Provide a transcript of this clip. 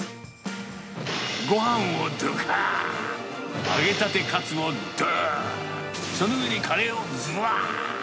ごはんをどかーん、揚げたてカツをどーん、その上にカレーをぶわー。